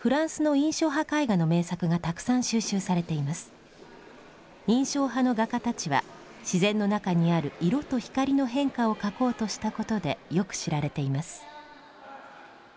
印象派の画家たちは自然の中にある色と光の変化を描こうとしたことでよく知られています。